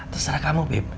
terserah kamu beb